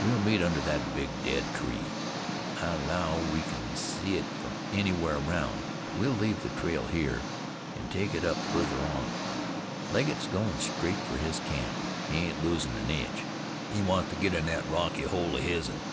We'll meet under thet big dead tree. I allow we can see it from anywhere around. We'll leave the trail here, an' take it up farther on. Legget's goin' straight for his camp; he ain't losin' an inch. He wants to get in that rocky hole of his'n."